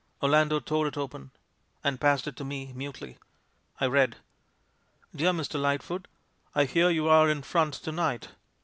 Orlando tore it open — and passed it to me mutely. I read: "Deae Mr. Lightfoot, — I hear you are in front to night.